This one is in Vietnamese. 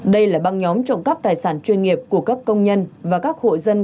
đây là băng nhóm trộm cắp tài sản chuyên nghiệp của các công nhân và các hộ dân